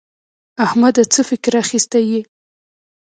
احمده څه فکر اخيستی يې؟